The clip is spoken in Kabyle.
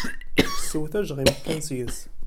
Sew tajɣimt kan seg-s.